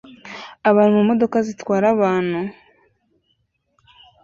Abantu mu modoka zitwara abantu